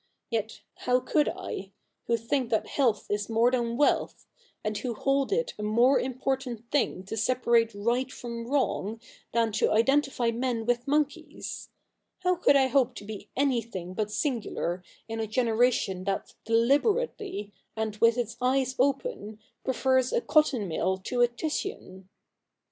Yet, how could I — who think that health is more than wealth, and who hold it a more important thing to separate right from wrong than to identify men with monkeys — how could I hope to be anything but singular in a generation that deliberately, and with its eyes open, prefers a cotton mill to a Titian